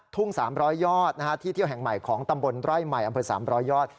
๓๐๐ยอดที่เที่ยวแห่งใหม่ของตำบลไร่ใหม่อำเภอ๓๐๐ยอด